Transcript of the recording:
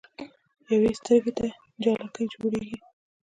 يوې سترګې ته جالکي جوړيږي